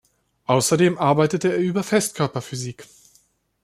Außerdem arbeitete er über Festkörperphysik.